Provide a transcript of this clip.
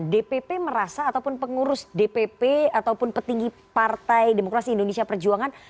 dpp merasa ataupun pengurus dpp ataupun petinggi partai demokrasi indonesia perjuangan